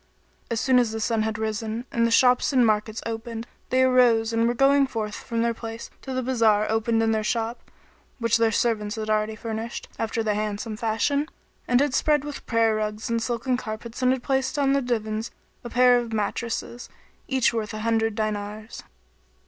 [FN#27] As soon as the sun had risen and the shops and markets opened, they arose and going forth from their place to the bazar opened their shop, which their servants had already furnished, after the handsomest fashion, and had spread with prayer rugs and silken carpets and had placed on the divans a pair of mattresses, each worth an hundred dinars.